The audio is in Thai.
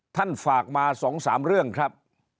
ท่านฝากมาสองสามเรื่องครับ